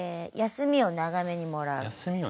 休みを長めにもらう？